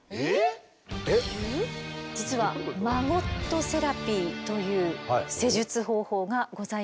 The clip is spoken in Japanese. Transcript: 実はマゴットセラピーという施術方法がございます。